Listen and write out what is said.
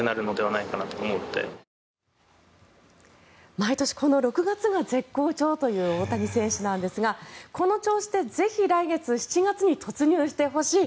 毎年この６月が絶好調という大谷選手なんですがこの調子でぜひ来月７月に突入してほしい。